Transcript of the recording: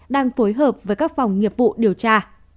đang phối hợp với các phòng nghiệp vụ điều tra